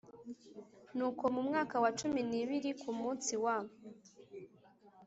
Nuko mu mwaka wa cumi n ibiri ku munsi wa